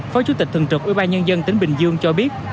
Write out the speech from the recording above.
phó chủ tịch thường trực ủy ban nhân dân tỉnh bình dương cho biết